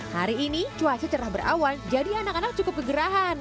hari ini cuaca cerah berawan jadi anak anak cukup kegerahan